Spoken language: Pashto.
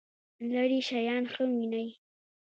لرې شیان ښه وینئ؟